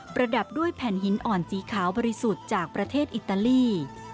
ระดับด้วยแผ่นหินอ่อนสีขาวบริสุทธิ์จากประเทศอิตาลี